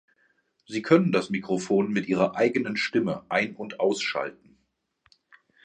Sie können das Mikrofon mit Ihrer eigenen Stimme ein- und ausschalten.